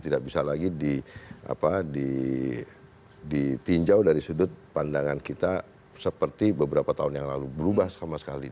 tidak bisa lagi ditinjau dari sudut pandangan kita seperti beberapa tahun yang lalu berubah sama sekali